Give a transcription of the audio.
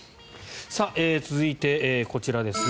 続いて、こちらですね。